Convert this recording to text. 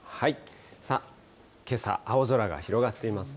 さあ、けさ青空が広がっていますね。